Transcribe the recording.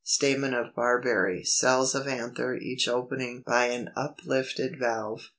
Stamen of Barberry; cells of anther each opening by an uplifted valve.